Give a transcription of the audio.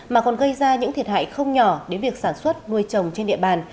mà còn gây ra những thiệt hại không nhỏ đến việc sản xuất nuôi trồng trên địa bàn